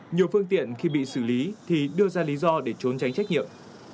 nhiều phương tiện khi bị xử lý thì đưa ra lý do để trốn tránh trách nhiệm